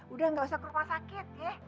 udah engga usah ke rumah sakit ye